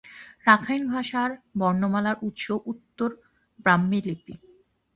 Rakhine ভাষার বর্ণমালার উৎস উত্তর ব্রাহ্মী লিপি।